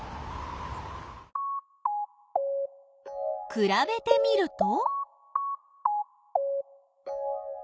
くらべてみると？